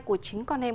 của chính con em